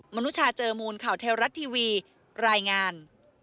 นุชาเจอมูลข่าวเทวรัฐทีวีรายงาน